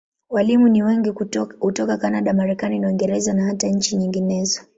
Walimu ni wengi hutoka Kanada, Marekani na Uingereza, na hata nchi nyinginezo.